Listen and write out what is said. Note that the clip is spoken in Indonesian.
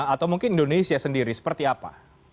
atau mungkin indonesia sendiri seperti apa